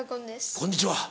こんにちは。